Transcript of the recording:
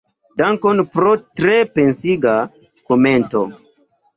Dankon pro tre pensiga komento.